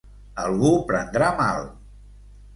Algú prendrà mal!